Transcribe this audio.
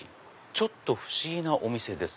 ちょっと不思議なお店です。